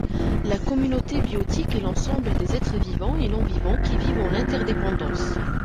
La communauté biotique est l'ensemble des êtres vivants et non-vivants qui vivent en interdépendance.